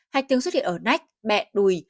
hạch tương xuất hiện ở nách bẹ đùi